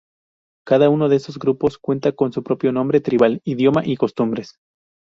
Cada uno de estos grupos cuenta con su propio nombre tribal, idioma y costumbres.